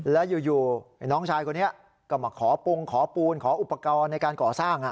แล้วอยู่น้องชายคนนี้ก็มาขอปรุงขอปูนขออุปกรณ์ในการก่อสร้าง